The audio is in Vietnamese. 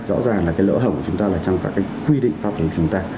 rõ ràng là cái lỡ hổ của chúng ta là trong các cái quy định pháp lý của chúng ta